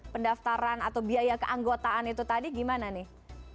pendaftaran atau biaya keanggotaan itu tadi gimana nih